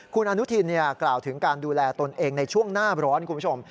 คุณอนุทินกล่าวถึงการดูแลตนเองในช่วงหน้าร้อนคุณผู้ชม